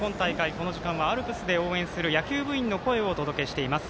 この時間はアルプスで応援する野球部員の声をお届けしています。